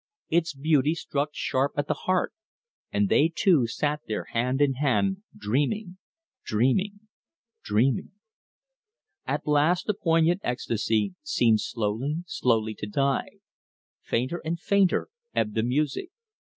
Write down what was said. Its beauty struck sharp at the heart. And they two sat there hand in hand dreaming dreaming dreaming At last the poignant ecstacy seemed slowly, slowly to die. Fainter and fainter ebbed the music.